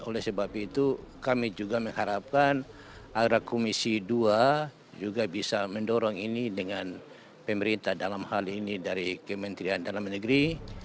oleh sebab itu kami juga mengharapkan agar komisi dua juga bisa mendorong ini dengan pemerintah dalam hal ini dari kementerian dalam negeri